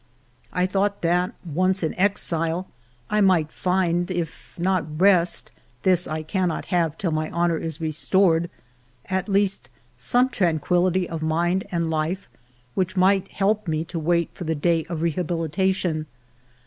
I thought that, once in my exile, I might find, if not rest, — this I cannot have till my honor is io6 FIVE YEARS OF MY LIFE restored, — at least some tranquillity of mind and life, which might help me to wait for the day of rehabilitation.